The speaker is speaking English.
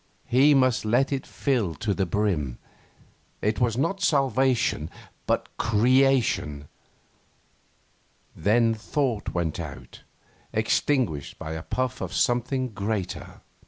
He must let it fill to the brim. It was not salvation, but creation. Then thought went out, extinguished by a puff of something greater....